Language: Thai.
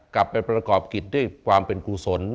กลับไปประกอบกิจด้วยความเป็นกุศล